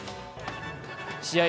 試合